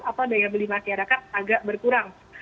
apa daya beli masyarakat agak berkurang